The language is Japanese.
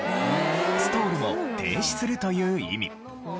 ストールの「停止する」という意味。